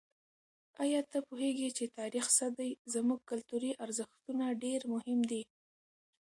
آیا ته پوهېږې چې تاریخ څه دی؟ زموږ کلتوري ارزښتونه ډېر مهم دي.